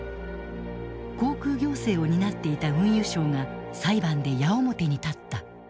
航空行政を担っていた運輸省が裁判で矢面に立った。